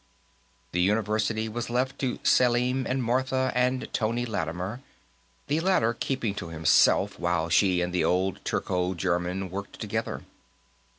The University was left to Selim and Martha and Tony Lattimer, the latter keeping to himself while she and the old Turco German worked together.